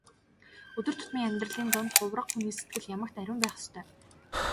Өдөр тутмын амьдралын дунд хувраг хүний сэтгэл ямагт ариун байх ёстой.